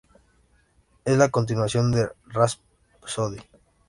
Es la continuación de Rhapsody.